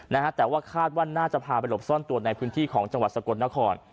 นะฮะแต่ว่าคาดว่าน่าจะพาไปหลบซ่อนตัวในพื้นที่ของจังหวัดสกลนคร